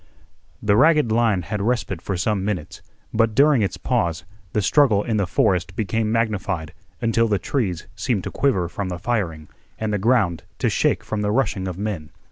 The ragged line had respite for some minutes, but during its pause the struggle in the forest became magnified until the trees seemed to quiver from the firing and the ground to shake from the rushing of men.